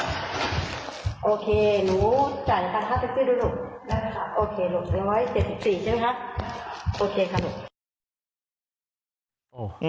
โอเคค่ะหนู